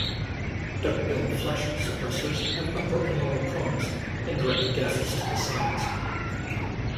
Duckbill flash suppressors have upper and lower "prongs" and direct gases to the sides.